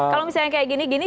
kalau misalnya kayak gini gini